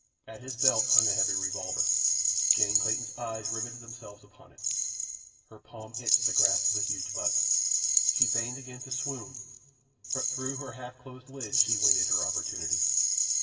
At his belt hung a heavy revolver. Jane Clayton's eyes riveted themselves upon it. Her palm itched to grasp the huge butt. She feigned again to swoon, but through her half closed lids she waited her opportunity.